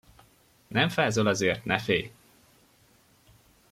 Nem fázol azért, ne félj!